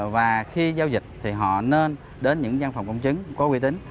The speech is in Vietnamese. và khi giao dịch thì họ nên đến những giam phòng công chứng có quy tín